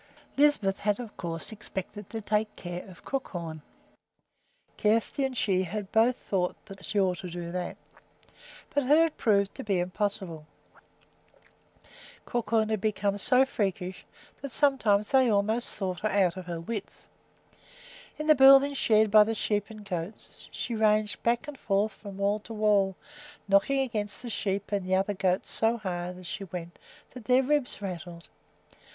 Lisbeth had, of course, expected to take care of Crookhorn, Kjersti and she both thought she ought to do that; but it had proved to be impossible. Crookhorn had become so freakish that sometimes they almost thought her out of her wits. In the building shared by the sheep and goats she ranged back and forth from wall to wall, knocking against the sheep and the other goats so hard as she went that their ribs rattled.